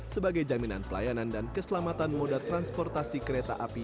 sebagai jaminan pelayanan dan keselamatan moda transportasi kereta api